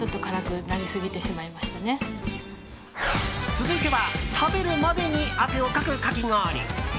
続いては食べるまでに汗をかくかき氷。